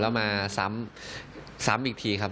แล้วมาซ้ำอีกทีครับ